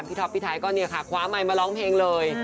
พี่ท้อปปี้ไทยก็เนี่ยค่ะคว้าไหมลงเพลงเลย